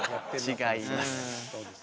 違います。